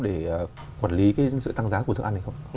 để quản lý sự tăng giá của thức ăn hay không